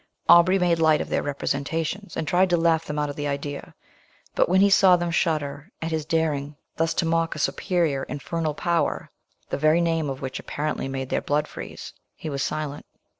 Aubrey made light of their representations, and tried to laugh them out of the idea; but when he saw them shudder at his daring thus to mock a superior, infernal power, the very name of which apparently made their blood freeze, he was silent.